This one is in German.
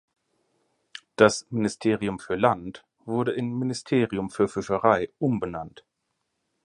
Das Ministerium für Land wurde in Ministerium für Fischerei umbenannt.